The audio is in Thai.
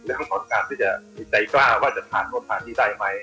และได้ร้อนการที่จะมีใจกล้าว่าจะผ่านโทษทานี่ได้ไหม